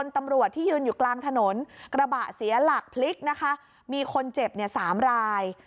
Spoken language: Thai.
ตำรวจที่ยืนอยู่กลางถนนกระบะเสียหลักพลิกนะคะมีคนเจ็บเนี่ย๓ราย